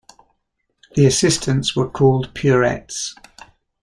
The assistants were called "Purettes".